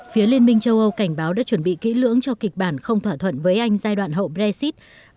phía liên minh châu âu cảnh báo đã chuẩn bị kỹ lưỡng cho kịch bản không thỏa thuận với anh giai đoạn hậu brexit